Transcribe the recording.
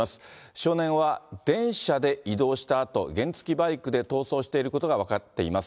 少年は電車で移動したあと、原付きバイクで逃走していることが分かっています。